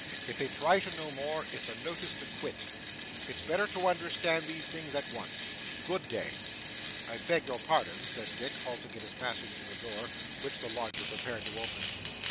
If they try to know more, it's a notice to quit. It's better to understand these things at once. Good day.' 'I beg your pardon,' said Dick, halting in his passage to the door, which the lodger prepared to open.